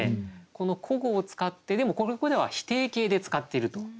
この古語を使ってでもここでは否定形で使っていると。